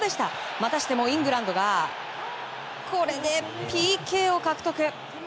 またしてもイングランドがこれでＰＫを獲得。